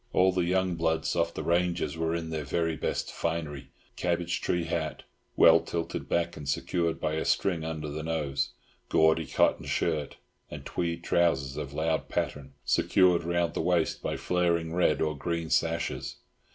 All the young "bloods" of the ranges were there in their very best finery—cabbage tree hat (well tilted back, and secured by a string under the nose), gaudy cotton shirt, and tweed trousers of loud pattern, secured round the waist by flaring red or green sashes.